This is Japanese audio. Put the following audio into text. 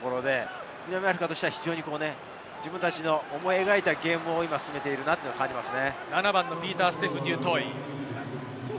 南アフリカとしては非常に自分たちの思い描いたゲームを進めていると感じます。